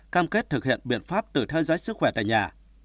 cam kết thực hiện biện pháp tử theo dõi sức khỏe tại nhà